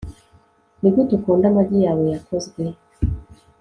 nigute ukunda amagi yawe yakozwe